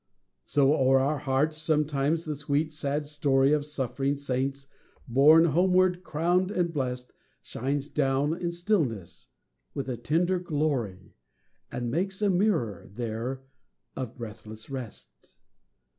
So o'er our hearts sometimes the sweet, sad story Of suffering saints, borne homeward crowned and blest, Shines down in stillness with a tender glory, And makes a mirror there of breathless rest.